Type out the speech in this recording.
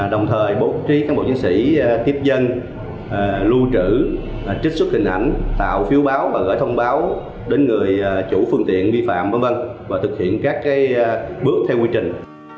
đồng thời bố trí cán bộ chiến sĩ tiếp dân lưu trữ trích xuất hình ảnh tạo phiếu báo và gửi thông báo đến người chủ phương tiện vi phạm v v và thực hiện các bước theo quy trình